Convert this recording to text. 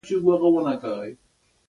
زخم و.